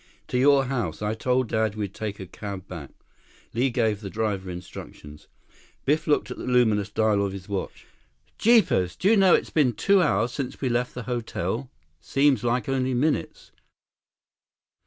"To your house. I told Dad we'd take a cab back." Li gave the driver instructions. Biff looked at the luminous dial of his watch. "Jeepers! Do you know it's been two hours since we left the hotel! Seems like only minutes."